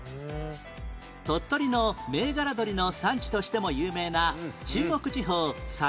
鳥取の銘柄鶏の産地としても有名な中国地方最大の山は何？